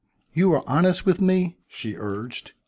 "You are honest with me?" she urged.